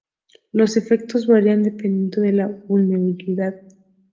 Los efectos varían dependiendo de la vulnerabilidad.